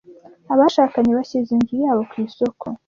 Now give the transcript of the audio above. Abashakanye bashyize inzu yabo ku isoko.